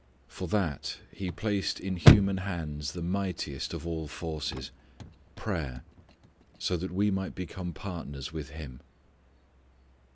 For that He placed in human hands the mightiest of all forces prayer, that so we might become partners with Him.